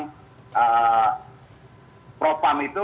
profam itu memang melakukan perbuatan